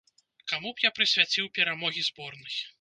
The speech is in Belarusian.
Каму б я прысвяціў перамогі зборнай?